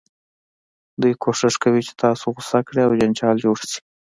دوی کوښښ کوي چې تاسو غوسه کړي او جنجال جوړ شي.